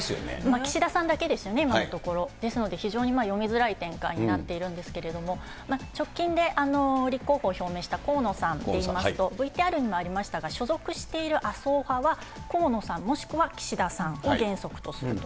岸田さんだけですよね、今のところ、ですので、非常に読みづらい展開になっているんですけれども、直近で立候補を表明した河野さんといいますと、ＶＴＲにもありましたが、所属している麻生派は、河野さんもしくは岸田さんを原則とすると。